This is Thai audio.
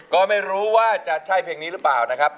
ก็ไม่รู้ว่าจะใช่เพลงนี้หรือเปล่านะครับ